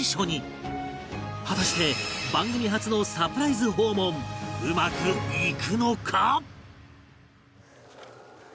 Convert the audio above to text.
果たして番組初のサプライズ訪問うまくいくのか！？